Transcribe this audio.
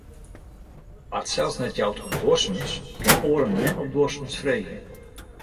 Wa't sels net jout om duorsumens, kin oaren min op duorsumens fergje.